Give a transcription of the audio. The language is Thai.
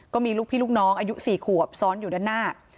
ก็มีลูกพี่ลูกน้องอายุ๔ขวบซ้อนอยู่ด้านหน้า